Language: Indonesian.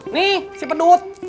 nih si pedut